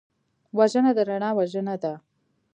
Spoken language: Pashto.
وژنه د رڼا وژنه ده